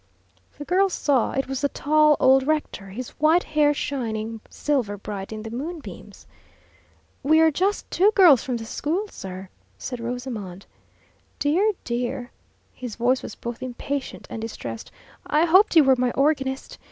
The girls saw it was the tall old rector, his white hair shining silver bright in the moonbeams. "We're just two girls from the school, sir," said Rosamond. "Dear, dear!" His voice was both impatient and distressed. "I hoped you were my organist.